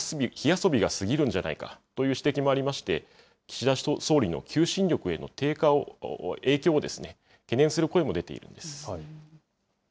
一方で、一連の対応というのは火遊びが過ぎるんじゃないかという指摘もありまして、岸田総理の求心力の低下を、影響を懸念する声も出ています。